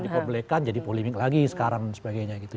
dipublikan jadi polemik lagi sekarang sebagainya gitu